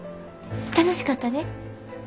楽しかったで。